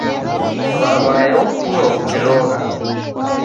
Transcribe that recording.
W'aw'aye okulwa ukilogha